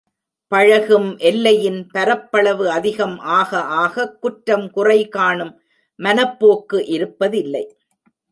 பழகும் எல்லையின் பரப்பளவு அதிகம் ஆக ஆக குற்றம் குறைகானும் மனப்போக்கு இருப்ப தில்லை.